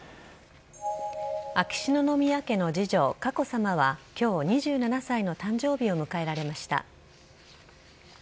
秋篠宮家の次女、佳子さまは、きょう２７歳の誕生日を迎えられました。